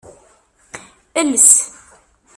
Els.